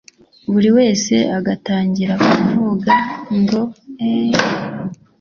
buri wese agatangira kuvuga ngo eeee